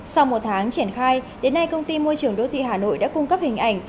sau một tháng triển khai đến nay công ty môi trường đô thị hà nội đã cung cấp hình ảnh